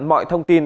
mọi thông tin